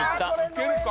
いけるか？